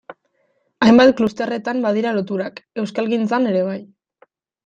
Hainbat klusterretan badira loturak, euskalgintzan ere bai...